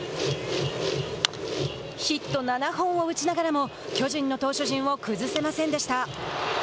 ヒット７本を打ちながらも巨人の投手陣を崩せませんでした。